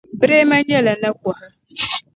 Braimah nyɛla nakɔha.